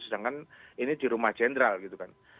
sedangkan ini di rumah jenderal gitu kan